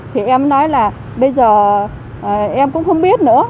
thì em nói là bây giờ em cũng không biết nữa